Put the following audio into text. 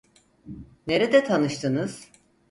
Nerede tanıştınız?